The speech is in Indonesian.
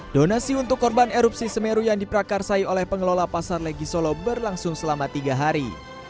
donasi untuk korban erupsi semeru yang diprakarsai oleh pengelola pasar legi solo berlangsung selama tiga hari